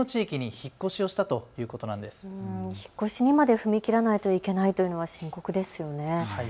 引っ越しにまで踏み切らないといけないというのは深刻ですよね。